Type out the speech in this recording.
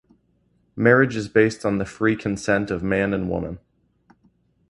Marriage is based on the free consent of man and woman.